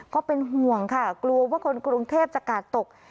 ก็เป็นห่วงค่ะกลัวว่าคนกรุงเทพจะกาดตก